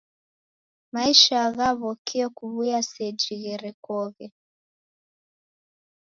Maisha ghaw'okie kuw'uya seji gherekoghe.